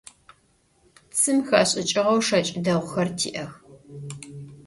Цым хэшӏыкӏыгъэу шэкӏ дэгъухэр тиӏэх.